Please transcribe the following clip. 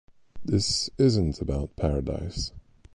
This isn't about paradise.